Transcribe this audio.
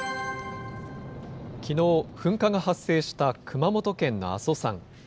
きのう、噴火が発生した熊本県の阿蘇山。